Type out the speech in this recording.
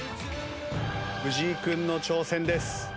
藤井君の挑戦です。